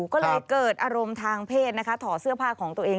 ก็เลยเกิดอารมณ์ทางเพศนะคะถอดเสื้อผ้าของตัวเอง